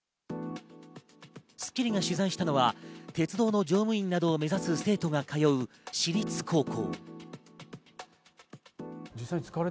『スッキリ』が取材したのは鉄道の乗務員などを目指す生徒が通う私立高校。